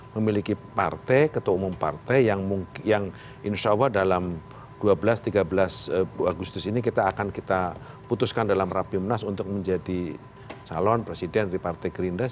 memiliki partai ketua umum partai yang insya allah dalam dua belas tiga belas agustus ini kita akan kita putuskan dalam rapimnas untuk menjadi calon presiden dari partai gerindra